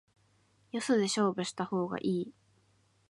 よそで勝負した方がいい